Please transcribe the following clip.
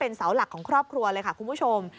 เสาหลักของครอบครัวเลยค่ะคุณผู้ชม